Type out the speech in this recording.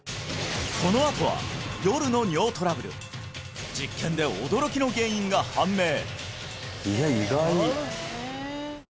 このあとは夜の尿トラブル実験で驚きの原因が判明！